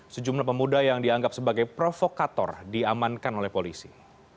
sejumlah pemuda yang dianggap sebagai provokator diamankan oleh polisi